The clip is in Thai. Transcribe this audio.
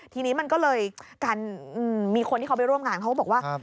ทีนี้มันก็เลยกันมีคนที่เขาไปร่วมงานเขาก็บอกว่า